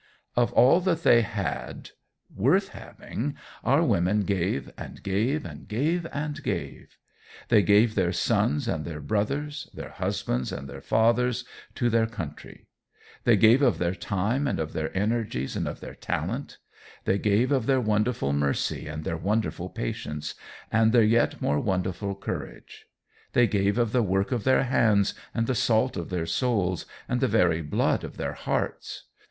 Of all that they had, worth having, our women gave and gave and gave and gave. They gave their sons and their brothers, their husbands and their fathers, to their country; they gave of their time and of their energies and of their talent; they gave of their wonderful mercy and their wonderful patience, and their yet more wonderful courage; they gave of the work of their hands and the salt of their souls and the very blood of their hearts.